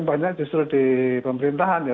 banyak justru di pemerintahan ya